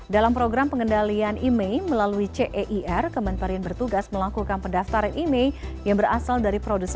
dalam program pengendalian imei melalui ceir kementerian bertugas melakukan pendaftaran email yang berasal dari produksi